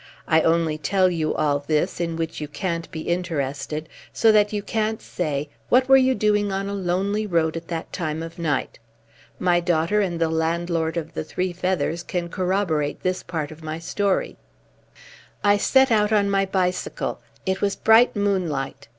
I only tell you all this, in which you can't be interested, so that you can't say: 'What were you doing on a lonely road at that time of night?' My daughter and the landlord of The Three Feathers can corroborate this part of my story. I set out on my bicycle. It was bright moonlight.